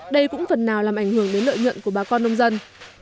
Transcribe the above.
đây cũng phần nào làm ảnh hưởng đến lợi nhuận của bà con nông dân